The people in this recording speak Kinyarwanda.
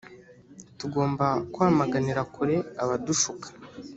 tugomba kwamaganira kure abadushuka.